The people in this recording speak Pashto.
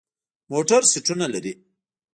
موټر سیټونه لري.